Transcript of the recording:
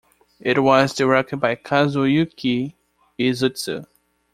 It was directed by Kazuyuki Izutsu.